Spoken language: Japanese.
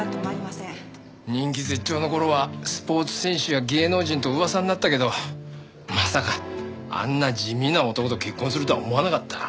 人気絶頂の頃はスポーツ選手や芸能人と噂になったけどまさかあんな地味な男と結婚するとは思わなかった。